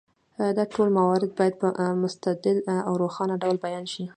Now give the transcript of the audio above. دا ټول موارد باید په مستدل او روښانه ډول بیان شي.